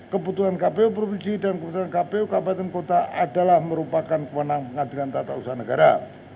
keputusan kpu provinsi dan keputusan kpu kabupaten kota adalah merupakan kewenangan pengadilan tata usaha negara